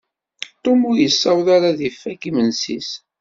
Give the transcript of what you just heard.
Tom ur yessaweḍ ara ad ifakk imensi-s.